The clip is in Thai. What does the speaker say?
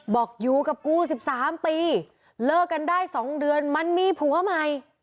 บอกอยู่กับกู๑๓ปีเลิกกันได้๒เดือนมันมีผัวใหม่